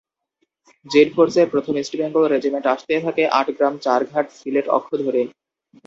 Z ফোর্সের প্রথম east Bengal regiment আসতে থাকে আটগ্রাম-চরঘাট-সিলেট অক্ষ ধরে।